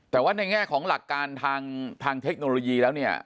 แต่ว่าในแง่ของหลักการทางเทคโนโลยีแล้วเนี่ย